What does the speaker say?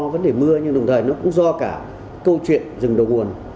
vấn đề mưa nhưng đồng thời nó cũng do cả câu chuyện rừng đầu nguồn